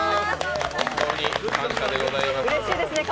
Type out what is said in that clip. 本当に感謝でございます。